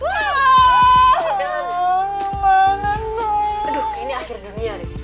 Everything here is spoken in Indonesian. aduh ini akhir dunia nih